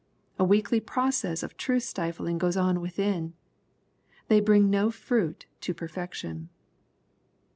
A weekly process of truth stifling goes on within. They bripg po fruit to perfection.